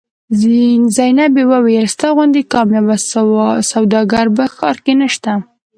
زینبې وویل ستا غوندې کاميابه سوداګر په ښار کې نشته.